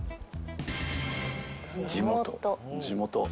「地元」。